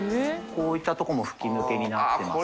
こういったとこも吹き抜けになってますね。